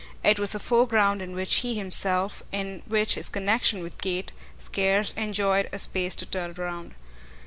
It was a foreground in which he himself, in which his connexion with Kate, scarce enjoyed a space to turn round.